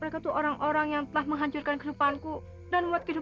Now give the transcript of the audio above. kau dapat tahu langsung juga sama sama trees itu